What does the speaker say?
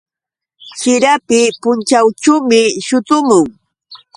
Chirapa punćhawćhuumi shutumun.